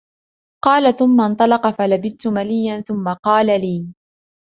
قالَ: ثُمَّ انْطَلَقَ، فَلَبِثْتُ مَلِيًّا.ثُمَّ قالَ لي: